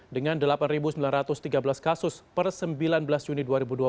dengan delapan sembilan ratus tiga belas kasus per sembilan belas juni dua ribu dua puluh